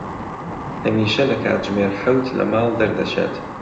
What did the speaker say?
هەمیشە لە کاتژمێر حەوت لە ماڵ دەردەچێت.